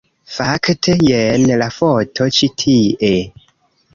Fakte, jen la foto ĉi tie